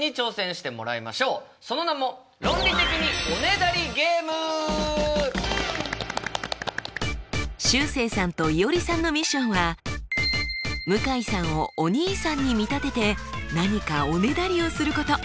その名もしゅうせいさんといおりさんのミッションは向井さんをお兄さんに見立てて何かおねだりをすること。